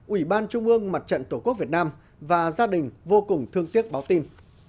ủy ban trung ương mặt trận tổ quốc việt nam và gia đình vô cùng thương tiếc báo tin